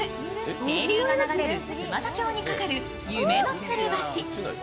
清流が流れる寸又峡にかかる夢のつり橋。